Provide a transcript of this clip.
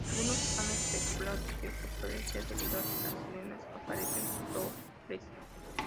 Algunos han especulado que esto puede ser debido a que las sirenas aparecen topless.